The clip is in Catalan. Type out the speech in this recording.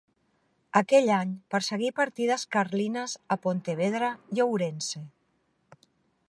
Aquell any, perseguí partides carlines a Pontevedra i Ourense.